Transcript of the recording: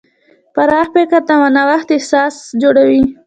پراخ فکر د نوښت اساس جوړوي.